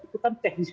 itu kan teknis